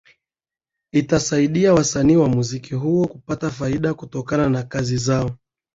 Itanisaidia wasanii wa muziki huo kupata faida kutokana na kazi zao